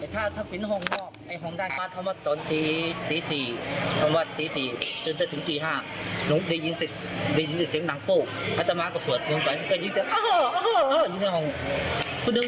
ดูแลล่องเรียงร้องกาเรือเอง